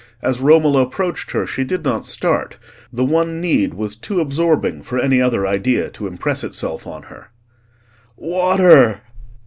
As Romola approached her she did not start; the one need was too absorbing for any other idea to impress itself on her. "Water!